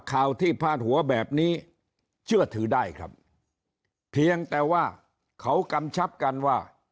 ข่าวที่พาดหัวแบบนี้เชื่อถือได้ครับเพียงแต่ว่าเขากำชับกันว่า